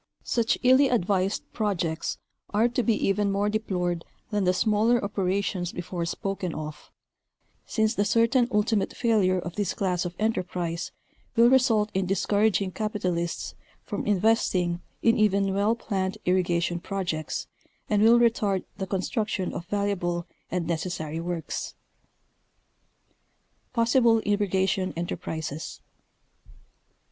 © Such illy advised projects are to be even more deplored than the smaller operations before spoken of, since the certain ulti mate failure of this class of enterprise will result in discouraging capitalists from investing in even well planned irrigation pro jects, and will retard the construction of valuable and necessary works. PossiBLE IRRIGATION ENTERPRISES.